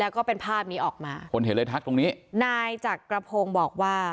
แล้วก็เป็นภาพนี้ออกมาคนเห็นเลยทักตรงนี้นายจักรพงศ์บอกว่า